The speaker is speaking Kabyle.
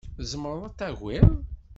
Tzemreḍ ad t-tagiḍ?